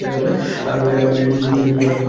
আরে, ওই।